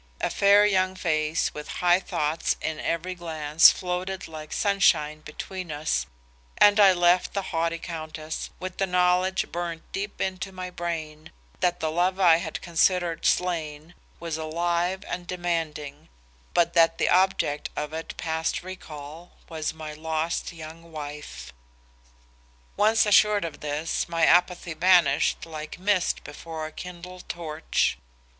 A fair young face with high thoughts in every glance floated like sunshine between us and I left the haughty Countess, with the knowledge burned deep into my brain, that the love I had considered slain was alive and demanding, but that the object of it past recall, was my lost young wife. "Once assured of this, my apathy vanished like mist before a kindled torch.